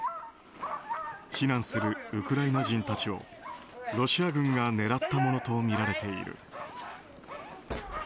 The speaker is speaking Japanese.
避難するウクライナ人たちをロシア軍が狙ったものとみられている。